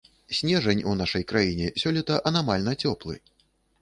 Снежань у нашай краіне сёлета анамальна цёплы.